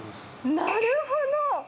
なるほど。